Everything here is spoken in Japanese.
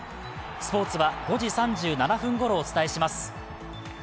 スポーツは５時３７分ごろお伝えします。